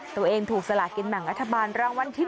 ตัวเองถูกสลากินแบ่งรัฐบาลรางวัลที่๑